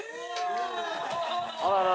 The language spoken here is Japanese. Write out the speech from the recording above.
あらら。